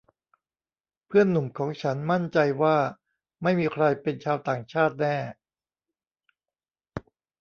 เพื่อนหนุ่มของฉันมั่นใจว่าไม่มีใครเป็นชาวต่างชาติแน่